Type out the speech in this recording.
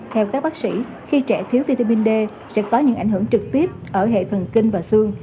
theo các bác sĩ khi trẻ thiếu vitamin d sẽ có những ảnh hưởng trực tiếp ở hệ thần kinh và xương